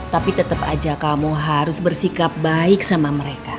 tapi tetap aja kamu harus bersikap baik sama mereka